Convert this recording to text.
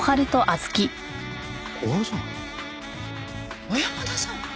小山田さん！